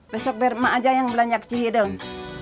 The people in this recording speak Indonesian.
besok biar mak aja yang belanja kecih dong